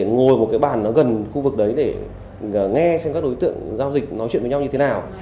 ngồi một cái bàn nó gần khu vực đấy để nghe xem các đối tượng giao dịch nói chuyện với nhau như thế nào